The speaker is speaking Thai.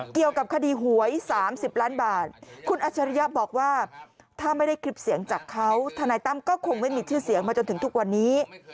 เกี่ยวกับคดีหวย๓๐ล้านบาทคุณอัชริยะบอกว่าถ้าไม่ได้คลิปเสียงจากเขาทนายตั้มก็คงไม่มีชื่อเสียงมาจนถึงทุกวันนี้